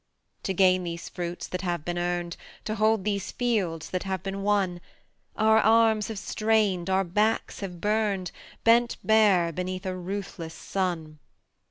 To gain these fruits that have been earned, To hold these fields that have been won, Our arms have strained, our backs have burned, Bent bare beneath a ruthless sun.